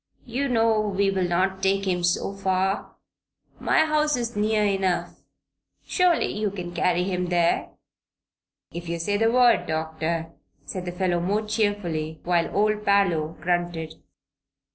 "You know we'll not take him so far. My house is near enough. Surely you can carry him there." "If you say the word, Doctor," said the fellow, more cheerfully, while old Parloe grunted.